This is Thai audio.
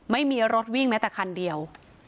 ไม่มีรถวิ่งแม้แต่คันเดียว